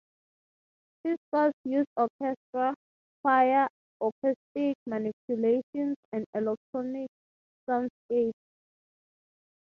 His scores use orchestra, choir, acoustic manipulations and electronic soundscapes.